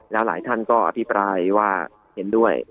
แล้วหลายท่านก็อภิปรายว่าเห็นด้วย